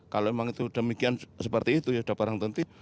kalau memang itu demikian seperti itu ya sudah barang tentu